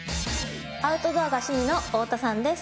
アウトドアが趣味の太田さんです。